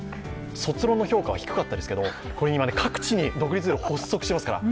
卒論の評価は低かったですけど各地に今、独立リーグが発足してますから